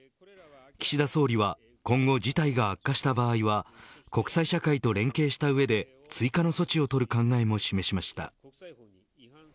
岸田総理は今後事態が悪化した場合は国際社会と連携した上で追加の措置をとる考えも示しました。